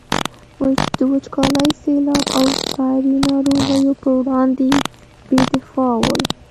د وچکالي، سیلاب او ساري ناروغیو پر وړاندې بې دفاع ول.